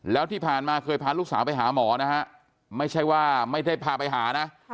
แล้วที่ผ่านมาเคยพาลูกสาวไปหาหมอนะฮะไม่ใช่ว่าไม่ได้พาไปหานะ